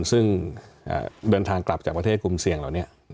ซึ่งเดินทางกลับจากประเทศกลุ่มเสี่ยงเหล่านี้